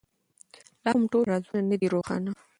لا هم ټول رازونه نه دي روښانه.